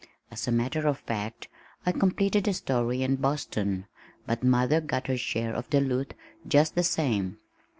(As a matter of fact, I completed the story in Boston but mother got her share of the "loot" just the same.)